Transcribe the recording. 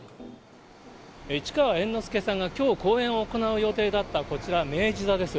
市川猿之助さんがきょう、公演を行う予定だったこちら、明治座です。